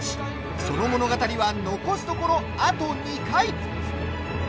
その物語は残すところ、あと２回！